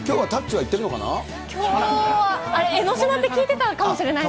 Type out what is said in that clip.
きょうは、江の島って聞いてたかもしれないです。